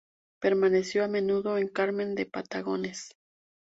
Permaneció a menudo en Carmen de Patagones.